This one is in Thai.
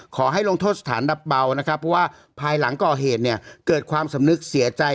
ขอให้ลงโทษสถานดับเบานะครับเพราะว่าภายหลังก่อเหตุเนี่ยเกิดความสำนึกเสียใจ